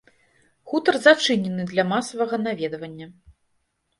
Хутар зачынены для масавага наведвання.